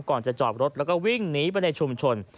ก่อนจะจอดรถแล้วก็วิ่งหนีไปในชุมชน